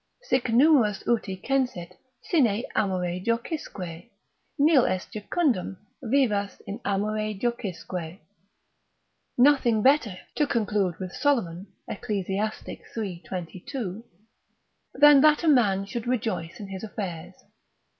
Si Numerus uti censet sine amore jocisque, Nil est jucundum, vivas in amore jocisque. Nothing better (to conclude with Solomon, Eccles. iii. 22), than that a man should rejoice in his affairs.